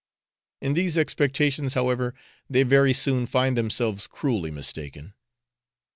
In these expectations, however, they very soon find themselves cruelly mistaken.